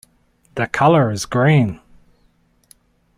The color is green.